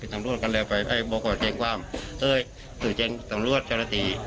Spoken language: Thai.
พี่สำรวจกันเลยไปบอกว่าเจ้งความเอ้ยถือเจ้งสำรวจเจ้าหน้าตี